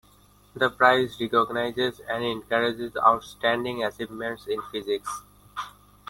The prize recognizes and encourages outstanding achievements in physics.